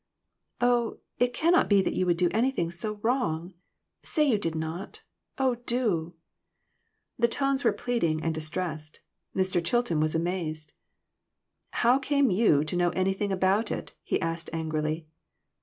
"Oh, it cannot be that you would do anything so wrong ! Say you did not. Oh, do !" The tones were pleading and distressed. Mr. Chilton was amazed. "How came you to know anything about it?" he asked, angrily.